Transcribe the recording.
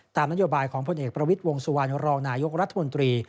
นโยบายของพลเอกประวิทย์วงสุวรรณรองนายกรัฐมนตรี